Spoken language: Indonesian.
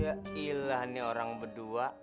ya ilah nih orang berdua